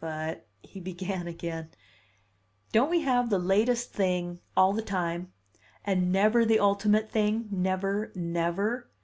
"But " he began again. "Don't we have the 'latest thing' all the time, and never the ultimate thing, never, never?